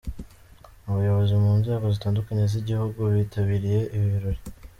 Abayobozi mu nzego zitandukanye z'igihugu bitabiriye ibi birori.